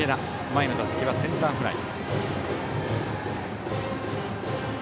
前の打席はセンターフライ。